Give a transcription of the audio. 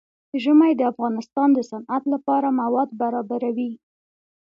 ژمی د افغانستان د صنعت لپاره مواد برابروي.